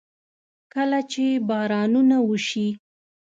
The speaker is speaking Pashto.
کله چې بارانونه وشي.